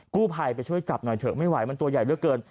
กู้ภัยไปช่วยจับหน่อยเถอะไม่ไหวมันตัวใหญ่เหลือเกิน